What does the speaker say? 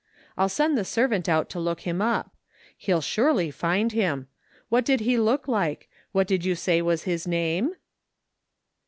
I'll send the servant out to look him up. He'll surely find him. What did he look like? What did you say was his name